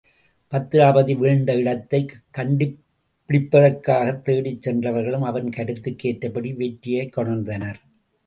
பத்திராபதி வீழ்ந்த இடத்தைக் கண்டுபிடிப்பதற்காகத் தேடிச் சென்றவர்களும் அவன் கருத்துக்கு ஏற்றபடி வெற்றியையே கொணர்ந்தனர்.